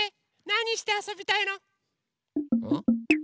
なにしてあそびたいの？